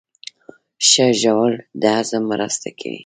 ښه ژوول د هضم مرسته کوي